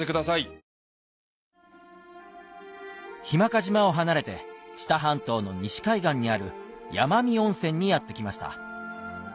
日間賀島を離れて知多半島の西海岸にある山海温泉にやって来ました